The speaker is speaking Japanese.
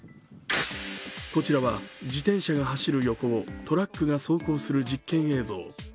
こちらは自転車が走る横をトラックが走行する実験映像。